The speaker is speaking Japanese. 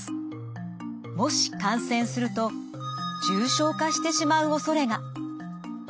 もし感染すると重症化してしまうおそれが。